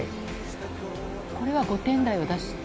これは５点台を出した？